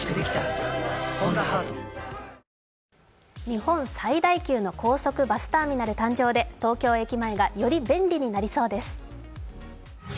日本最大級の高速バスターミナル誕生で東京駅前が、より便利になりそうです。